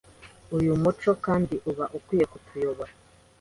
Uyu muco kandi uba ukwiye kutuyobora,